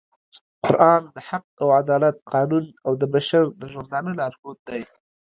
قرآن د حق او عدالت قانون او د بشر د ژوندانه لارښود دی